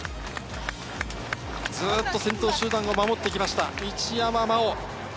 ずっと先頭集団を守ってきました、一山麻緒。